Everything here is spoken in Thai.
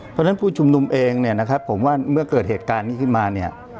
เพราะฉะนั้นผู้ชุมนุมเองเนี่ยนะครับผมว่าเมื่อเกิดเหตุการณ์นี้ขึ้นมาเนี่ย